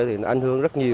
thì nó ảnh hưởng rất nhiều